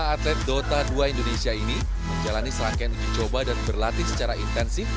lima atlet dota dua indonesia ini menjalani serangkaian uji coba dan berlatih secara intensif